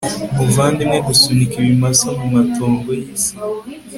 Muvandimwe gusunika ibimasa mumatongo yisi